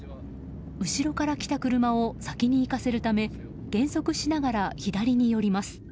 後ろから来た車を先に行かせるため減速しながら左に寄ります。